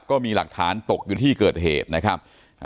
ก็มีหลักฐานตกอยู่ที่เกิดเหตุนะครับ